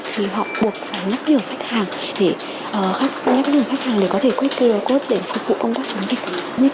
thì họ buộc phải nhắc nhường khách hàng để có thể quét qr code để phục vụ công tác chống dịch